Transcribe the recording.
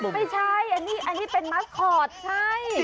ไม่ใช่อันนี้เป็นมัสคอร์ดใช่